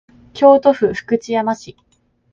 京都府福知山市